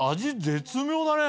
絶妙だね！